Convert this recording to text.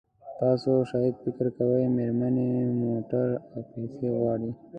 تاسو شاید فکر کوئ مېرمنې موټر او پیسې غواړي.